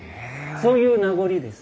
そういう名残です。